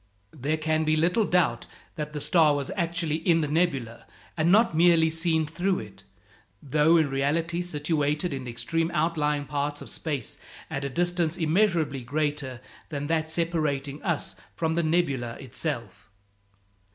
There can be little doubt that the star was actually in the nebula, and not merely seen through it, though in reality situated in the extreme outlying part of space at a distance immeasurably greater than that separating us from the nebula itself.